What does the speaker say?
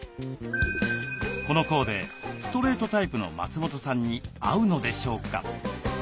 このコーデストレートタイプの松本さんに合うのでしょうか？